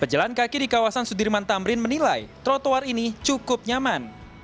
pejalan kaki di kawasan sudirman tamrin menilai trotoar ini cukup nyaman